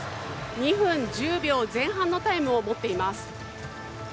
２分１０秒前半のタイムを持っています。